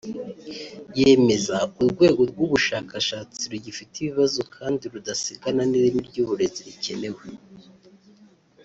yemeza urwego rw’ubushakashatsi rugifite ibibazo kandi rudasigana n’ireme ry’uburezi rikenewe